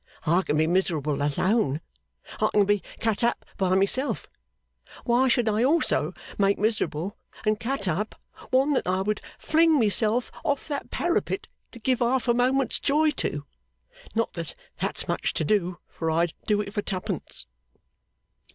I can be miserable alone, I can be cut up by myself, why should I also make miserable and cut up one that I would fling myself off that parapet to give half a moment's joy to! Not that that's much to do, for I'd do it for twopence.